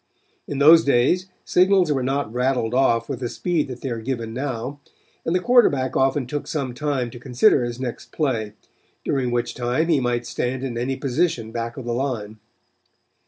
In those days signals were not rattled off with the speed that they are given now, and the quarterback often took some time to consider his next play, during which time he might stand in any position back of the line.